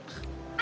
あ！